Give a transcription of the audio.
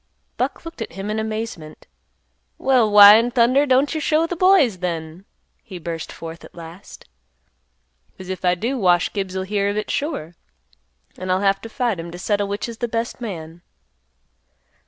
Buck looked at him in amazement. "Well, why in thunder don't you show th' boys, then?" he burst forth at last. "'Cause if I do Wash Gibbs'll hear of it sure, and I'll have to fight him to settle which is th' best man."